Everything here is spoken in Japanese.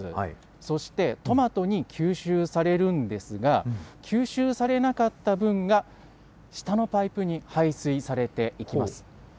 そしてトマトに吸収されるんですが、吸収されなかった分が、下のパイプに排水されていきます。